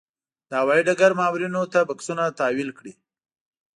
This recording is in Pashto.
د هوايي ډګر مامورینو ته بکسونه تحویل کړي.